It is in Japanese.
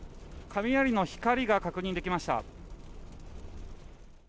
雷の光が確認できました。